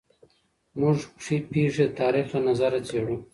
موږ پېښې د تاریخ له نظره څېړو.